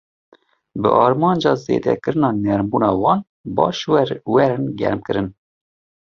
Bi armanca zêdekirina nermbûna wan, baş werin germkirin.